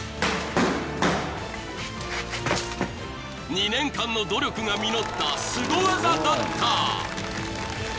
［２年間の努力が実ったすご技だった］